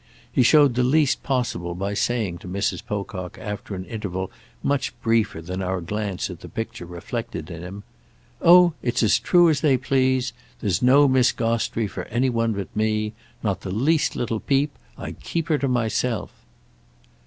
He showed the least possible by saying to Mrs. Pocock after an interval much briefer than our glance at the picture reflected in him: "Oh it's as true as they please!—There's no Miss Gostrey for any one but me—not the least little peep. I keep her to myself."